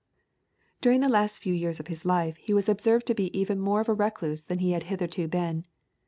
During the last few years of his life he was observed to be even more of a recluse than he had hitherto been.